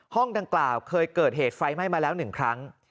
ห้องดังกล่าวเคยเกิดเหตุไฟไหม้มาแล้ว๑ครั้ง